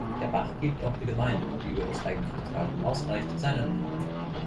Der Bach gibt auch der Gemeinde, die über das eigentliche Tal hinausreicht, seinen Namen.